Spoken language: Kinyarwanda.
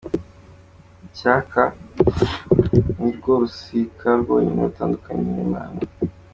Icyaha nirwo rusika rwonyine rudutandukanya n’Imana.